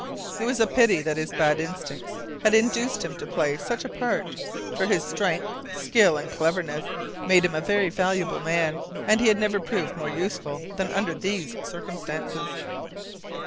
It was a pity that his bad instincts had induced him to play such a part, for his strength, skill, and cleverness made him a very valuable man, and he had never proved more useful than under these circumstances.